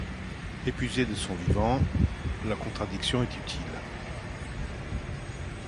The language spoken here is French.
Épuiser de son vivant la contradiction est utile.